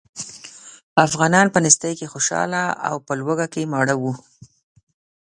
افغانان په نېستۍ کې خوشاله او په لوږه کې ماړه وو.